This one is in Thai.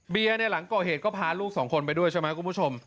หลังก่อเหตุก็พาลูกสองคนไปด้วยใช่ไหมคุณผู้ชม